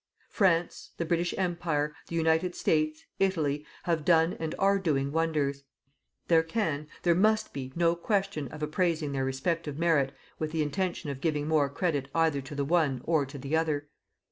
France, the British Empire, the United States, Italy, have done and are doing wonders. There can, there must be no question of appraising their respective merit with the intention of giving more credit either to the one or to the other.